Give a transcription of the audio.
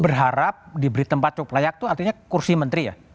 berharap diberi tempat cukup layak itu artinya kursi menteri ya